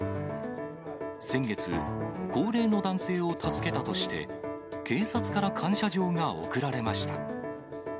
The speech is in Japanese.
先月、高齢の男性を助けたとして、警察から感謝状が贈られました。